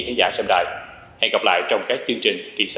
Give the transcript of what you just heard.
hẹn gặp lại